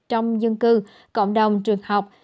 trong dân cư cộng đồng trường học